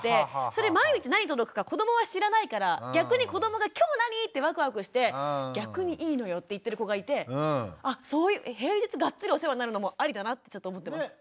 それ毎日何届くか子どもは知らないから逆に子どもが「今日何？」ってワクワクして「逆にいいのよ」って言ってる子がいてあ平日ガッツリお世話になるのもありだなってちょっと思ってます。